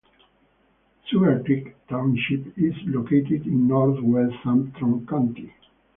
Sugarcreek Township is located in northwest Armstrong County.